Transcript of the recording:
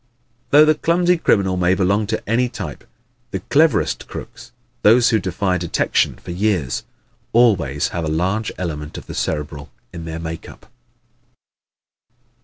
Though the clumsy criminal may belong to any type, the cleverest crooks those who defy detection for years always have a large element of the Cerebral in their makeup.